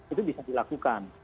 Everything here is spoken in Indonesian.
itu bisa dilakukan